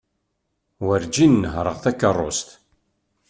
Werǧin nehreɣ takerrust.